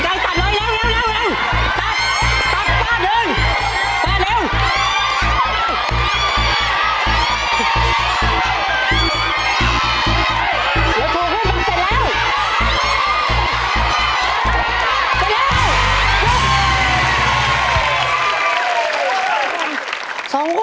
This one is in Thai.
เดี๋ยวชูขึ้นตอนนี้จบแล้ว